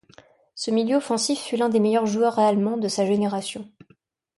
Ce milieu offensif fut l'un des meilleurs joueurs allemands de sa génération.